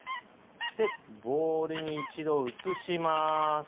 でボウルに一度移します。